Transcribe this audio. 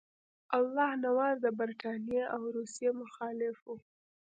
الله نواز د برټانیې او روسیې مخالف وو.